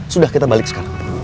sudah kita balik sekarang